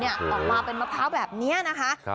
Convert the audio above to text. ออกมาเป็นมะพร้าวแบบนี้นะคะ